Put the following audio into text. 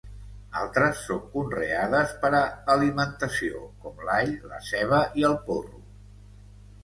Altres són conreades per a alimentació, com l'all, la ceba i el porro.